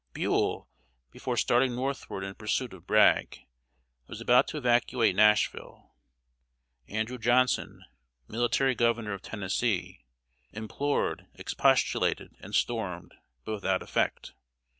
Buell, before starting northward in pursuit of Bragg, was about to evacuate Nashville. Andrew Johnson, Military Governor of Tennessee, implored, expostulated, and stormed, but without effect.